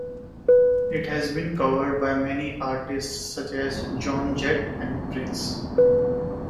It has been covered by many artists such as Joan Jett and Prince.